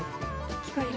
聞こえる。